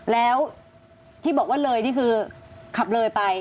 แล้วที่บอกว่าเลยนี่คือขับเลยไป